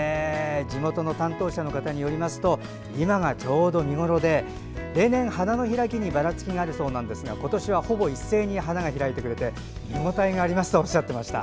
地元の担当者の方によりますと今がちょうど見頃で例年、花の開きにばらつきがあるそうですが今年はほぼ一斉に花が開いてくれて見応えがありますとおっしゃっていました。